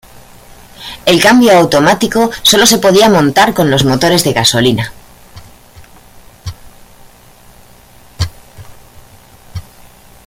El cambio automático solo se podía montar con los motores de gasolina.